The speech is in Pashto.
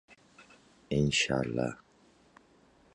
زه به سبا د ذهن تمرکز تمرین کړم.